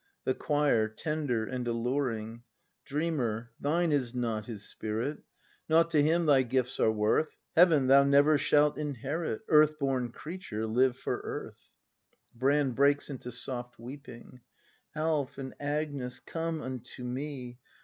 The Choir. [Tender and alluring.] Dreamer, thine is not His spirit, Nought to Him thy gifts are worth; Heaven thou never shalt inherit. Earth born creature, live for Earth! Brand. [Breaks into soft weeping.] Alf and Agnes, come unto me!